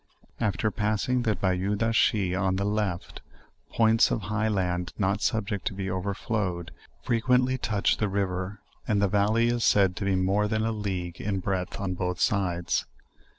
After passing the "Bayou de Hachis,' on the left, points of high land not subject to be overflowed, freqently touch the river; and the valley is said to be more than a league in breadth on both sides.